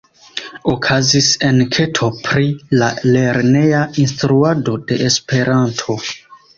Okazis enketo pri la lerneja instruado de Esperanto.